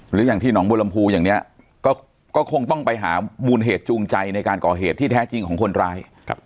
อย่างที่หนองบัวลำพูอย่างนี้ก็คงต้องไปหามูลเหตุจูงใจในการก่อเหตุที่แท้จริงของคนร้าย